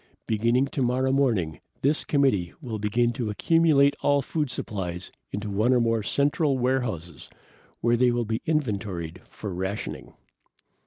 Beginning tomorrow morning, this committee will begin to accumulate all food supplies into one or more central warehouses where they will be inventoried for rationing.